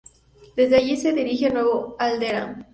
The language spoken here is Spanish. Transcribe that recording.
Desde allí se dirigen a Nuevo Alderaan.